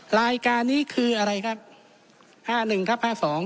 รายการนี้คืออะไรครับ